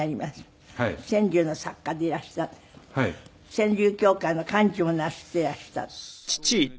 川柳協会の幹事をなすっていらしたそうで。